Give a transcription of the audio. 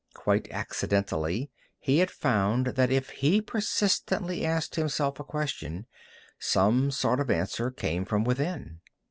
Quite accidentally he had found that if he persistently asked himself a question, some sort of answer came from within.